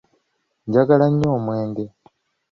Njagala nnyo omwenge.